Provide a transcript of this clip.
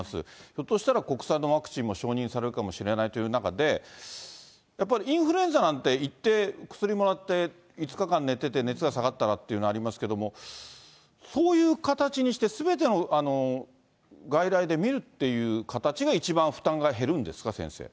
ひょっとしたら国産のワクチンも承認されるかもしれないという中で、やっぱりインフルエンザなんて、行って薬もらって、５日間寝てて、熱が下がったらっていうのがありますけど、そういう形にして、すべての外来で診るっていう形が、一番負担が減るんですか、先生。